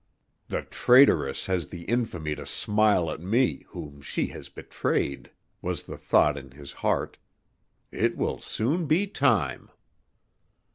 "The traitoress has the infamy to smile at me whom she has betrayed," was the thought in his heart. "It will soon be time!"